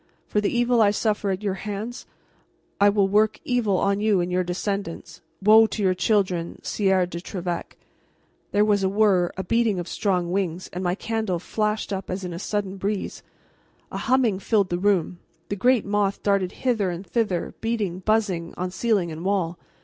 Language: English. For the evil I suffer at your hands, I will work evil on you and your descendants. Woe to your children, Sieur de Trevec!'" There was a whirr, a beating of strong wings, and my candle flashed up as in a sudden breeze. A humming filled the room; the great moth darted hither and thither, beating, buzzing, on ceiling and wall.